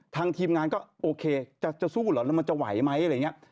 ทีมงานก็โอเคจะสู้เหรอแล้วมันจะไหวไหมอะไรอย่างนี้